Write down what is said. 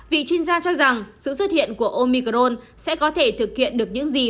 vì chuyên gia cho rằng sự xuất hiện của omicron sẽ có thể thực hiện được những gì